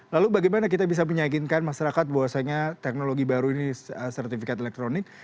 lalu bagaimana kita bisa meyakinkan masyarakat untuk mencari sertifikat elektronik